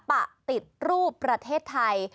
ปะติดรูปประเทศไทย